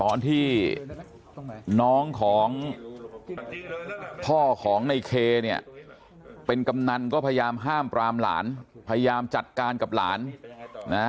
ตอนที่น้องของพ่อของในเคเนี่ยเป็นกำนันก็พยายามห้ามปรามหลานพยายามจัดการกับหลานนะ